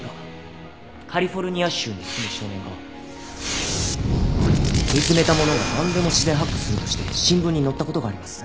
カリフォルニア州に住む少年が見つめたものがなんでも自然発火するとして新聞に載った事があります。